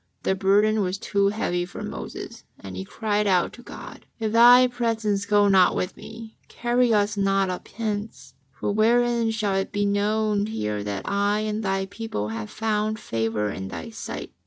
The burden was too heavy for Moses, and he cried out to God: "If Thy presence go not with me, carry us not up hence. For wherein shall it be known here that I and Thy people have found favour in Thy sight?